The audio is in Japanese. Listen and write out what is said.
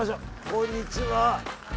こんにちは。